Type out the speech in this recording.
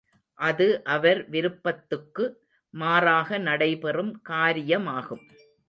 அது அவர் விருப்பத்துக்கு மாறாக நடைபெறும் காரிய மாகும்.